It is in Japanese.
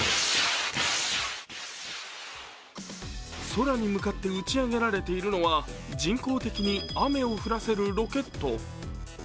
空に向かって打ち上げられているのは人工的に雨を降らせるロケット。